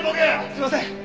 すみません！